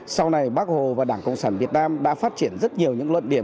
sau này bác hồ và đảng cộng sản việt nam đã phát triển rất nhiều những luận điểm